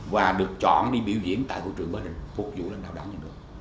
và được chọn đi biểu diễn tại hội trưởng bà đình